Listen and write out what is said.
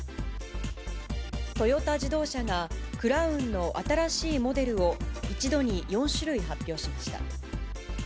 トヨタ自動車が、クラウンの新しいモデルを一度に４種類発表しました。